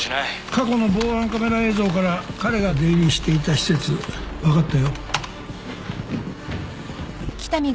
過去の防犯カメラ映像から彼が出入りしていた施設分かったよ。